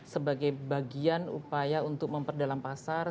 sebagai bagian upaya untuk memperdalam pasar